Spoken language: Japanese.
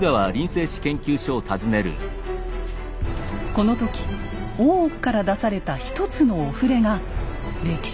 この時大奥から出された一つのお触れが歴史を動かします。